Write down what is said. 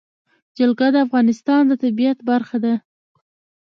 جلګه د افغانستان د طبیعت برخه ده.